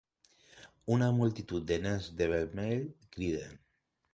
Una multitud de nens de vermell criden